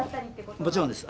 もちろんです。